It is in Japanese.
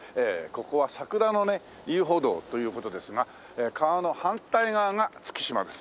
ここは桜のね遊歩道という事ですが川の反対側が月島です。